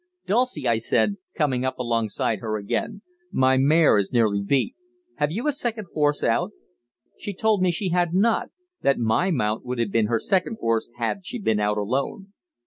"Dulcie," I said, coming up alongside her again, "my mare is nearly beat. Have you a second horse out?" She told me she had not that my mount would have been her second horse had she been out alone.